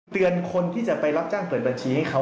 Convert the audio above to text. คนที่จะไปรับจ้างเปิดบัญชีให้เขา